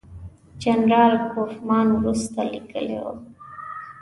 جنرال کوفمان وروسته لیکلي وو.